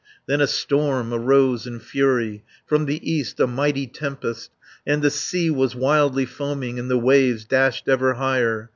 Then a storm arose in fury, From the East a mighty tempest, And the sea was wildly foaming, And the waves dashed ever higher.